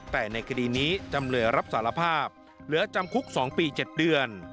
แต่ในคดีนี้จำเลยรับสารภาพเหลือจำคุก๒ปี๗เดือน